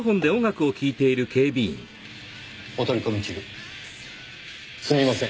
お取り込み中すみません。